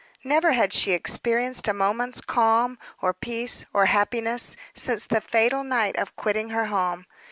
Never had she experienced a moment's calm, or peace, or happiness, since the fatal night of quitting her home.